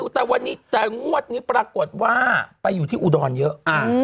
แต่วันนี้แต่งวดนี้ปรากฏว่าไปอยู่ที่อุดรเยอะ